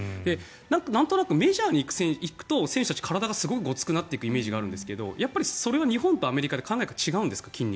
なんとなくメジャーに行くと選手たち体がすごいごつくなっていく感じがあるんですがやっぱりそれは日本とアメリカが考え方が違うんですか？